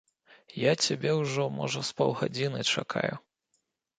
Я цябе ўжо, можа, з паўгадзіны чакаю.